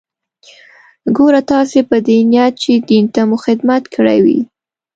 ګوره تاسې په دې نيت چې دين ته مو خدمت کړى وي.